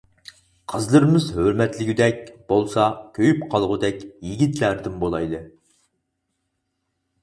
قىزلىرىمىز ھۆرمەتلىگۈدەك، بولسا كۆيۈپ قالغۇدەك يىگىتلەردىن بولايلى!